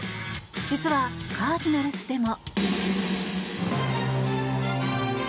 実はカージナルスでも。